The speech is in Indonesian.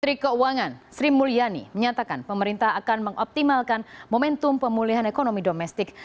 menteri keuangan sri mulyani menyatakan pemerintah akan mengoptimalkan momentum pemulihan ekonomi domestik